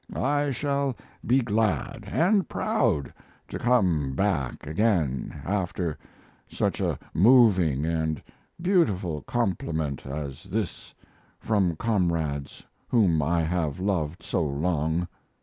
I shall be glad & proud to come back again after such a moving & beautiful compliment as this from comrades whom I have loved so long.